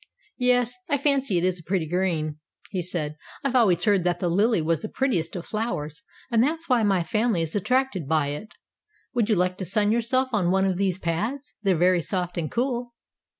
"Yes, I fancy it is a pretty green," he said. "I've always heard that the lily was the prettiest of flowers, and that's why my family is attracted by it. Would you like to sun yourself on one of these pads? They're very soft and cool."